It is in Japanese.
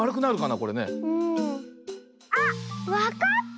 あっわかった！